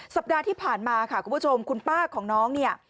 สัปดาห์ที่ผ่านมาค่ะคุณผู้ชมคุณป้าของน้องเนี่ย